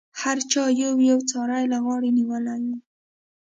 هر چا یو یو څاری له غاړې نیولی و.